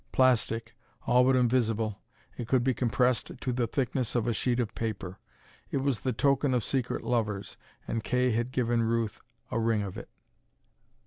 Plastic, all but invisible, it could be compressed to the thickness of a sheet of paper: it was the token of secret lovers, and Kay had given Ruth a ring of it.